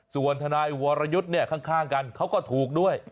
ส่วนทนายวรยุทธ์เนี่ยข้างกันเขาก็ถูกด้วย